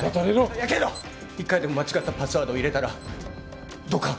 いやけど１回でも間違ったパスワードを入れたらドカン。